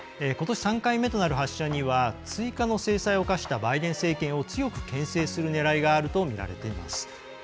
ことし３回目となる発射には追加の制裁を科したバイデン政権を強く、けん制するねらいがあるとみられています。